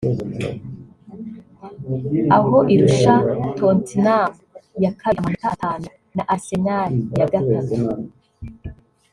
aho irusha Tottenham ya kabiri amanota atanu na Arsenal ya gatatu